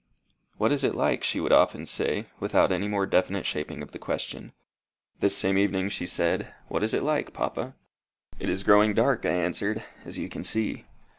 "What is it like?" she would often say, without any more definite shaping of the question. This same evening she said: "What is it like, papa?" "It is growing dark," I answered, "as you can see.